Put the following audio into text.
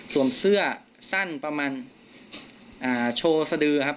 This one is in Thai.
เสื้อสั้นประมาณโชว์สดือครับ